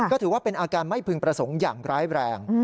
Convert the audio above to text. ก็ถือว่าเป็นอาการไม่พึงประสงค์อย่างร้ายแรง